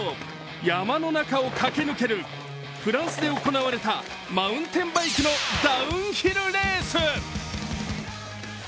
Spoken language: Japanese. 山の中を駆け抜けるフランスで行われたマウンテンバイクのダウンヒルレース。